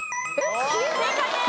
正解です！